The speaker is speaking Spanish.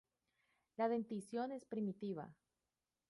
La dentición es primitiva.